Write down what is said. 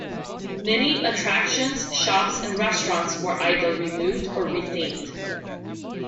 Many attractions, shops, and restaurants were either removed or rethemed.